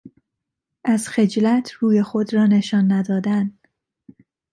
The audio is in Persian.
از خجلت روی خود را نشان ندادن